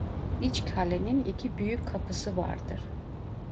İç kalenin iki büyük kapısı vardır.